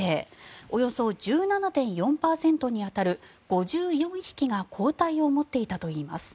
およそ１７．４％に当たる５４匹が抗体を持っていたといいます。